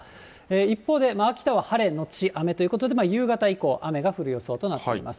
一方で、秋田は晴れ後雨ということで、夕方以降雨が降る予想となっています。